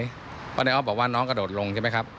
เพราะนายออฟบอกว่าน้องกระโดดลงใช่ไหมครับ